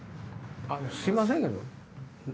すいませんけど。